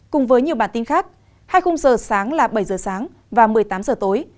cùng với nhiều bản tin khác hai mươi h sáng là bảy h sáng và một mươi tám h tối